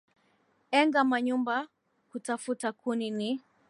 enga manyumba kutafuta kuni ni